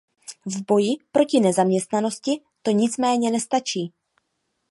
V boji proti nezaměstnanosti to nicméně nestačí.